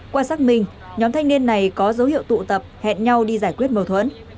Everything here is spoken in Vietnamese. quan sát mình nhóm thanh niên này có dấu hiệu tụ tập hẹn nhau đi giải quyết mâu thuẫn